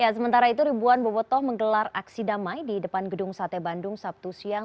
sementara itu ribuan bobotoh menggelar aksi damai di depan gedung sate bandung sabtu siang